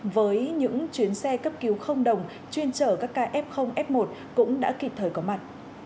với những chuyến xe cấp cứu không đồng chuyên chở các ca f f một cũng đã kịp thời có mặt